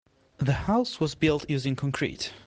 The house was built using concrete.